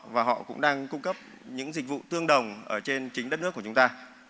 và họ cũng đang cung cấp những dịch vụ tương đồng ở trên chính đất nước của chúng ta